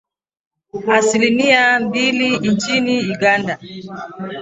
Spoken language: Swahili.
Asilimia mbili nchini Uganda